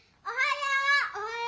おはよう！